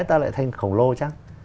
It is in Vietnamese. ta lại thành khổng lồ chắc